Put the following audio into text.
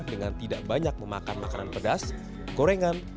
dengan tidak banyak memakan makanan pedas gorengan